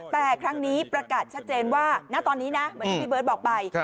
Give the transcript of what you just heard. แต่ครั้งนี้ประกาศชัดเจนว่าณตอนนี้นะเหมือนที่พี่เบิร์ตบอกไป